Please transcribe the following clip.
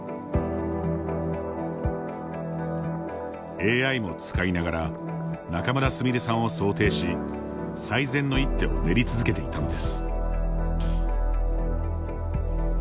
ＡＩも使いながら仲邑菫さんを想定し最善の一手を練り続けていたのです。